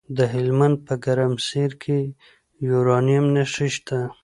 د هلمند په ګرمسیر کې د یورانیم نښې شته.